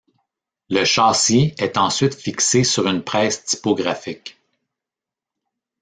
Le châssis est ensuite fixé sur une presse typographique.